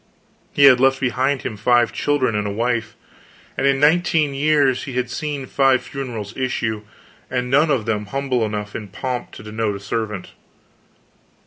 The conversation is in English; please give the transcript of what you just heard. He had left behind him five children and a wife; and in nineteen years he had seen five funerals issue, and none of them humble enough in pomp to denote a servant.